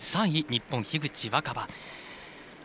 ３位日本、樋口新葉。